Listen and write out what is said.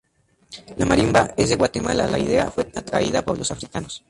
La marimba es de Guatemala la idea fue traída por los Africanos.